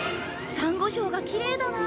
サンゴ礁がきれいだな。